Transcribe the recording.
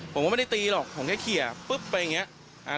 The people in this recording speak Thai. ผมก็ไม่ได้ตีหรอกผมแค่เขียปุ๊บไปอย่างนี้